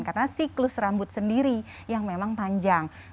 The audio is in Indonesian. karena siklus rambut sendiri yang memang panjang